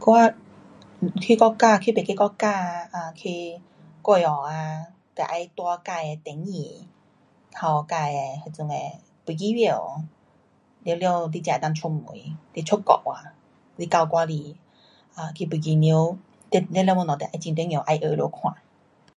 我，去国家，去别个国家啊，um 去国外啊，得要带自的登记，和自的那种的飞机票，全部你才能够出门，你出国啊，你到外里 um 去飞机场，你全部东西要很重要,要拿他们看。